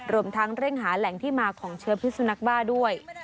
รวมทั้งเร่งหาแหล่งที่มาของเชื้อพิสุนักบ้าด้วย